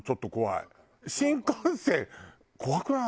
新幹線怖くない？